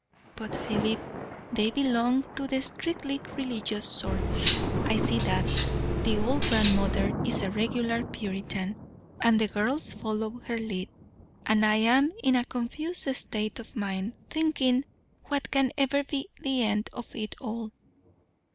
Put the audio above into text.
But, Philip, they belong to the strictly religious sort; I see that; the old grandmother is a regular Puritan, and the girls follow her lead; and I am in a confused state of mind thinking what can ever be the end of it all.